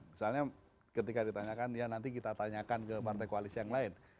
misalnya ketika ditanyakan ya nanti kita tanyakan ke partai koalisi yang lain